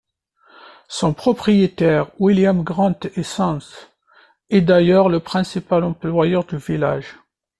Son propriétaire, William Grant & Sons, est d'ailleurs le principal employeur du village.